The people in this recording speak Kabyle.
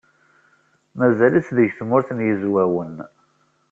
Mazal-itt deg Tmurt n Yizwawen.